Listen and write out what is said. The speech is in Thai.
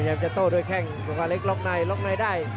ล้อปีด้วยขาวขวาเล็กเกาะใน